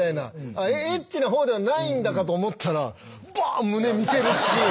エッチな方ではないんだと思ったらばー胸見せるし。